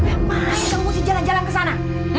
kenapa kita harus jalan jalan ke sana